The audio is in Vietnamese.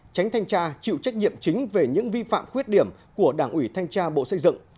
tránh thanh tra chịu trách nhiệm chính về những vi phạm khuyết điểm của đảng ủy thanh tra bộ xây dựng